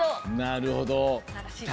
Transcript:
なるほど。